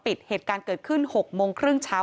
เหตุการณ์เกิดขึ้น๖โมงครึ่งเช้า